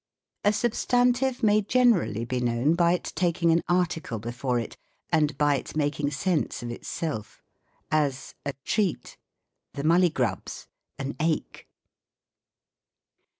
A substantive i.'>.ay generally be known by its taking an article before it, and by its making sense of itself; as, a treat, the muIUgruls, an ache.